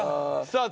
さあ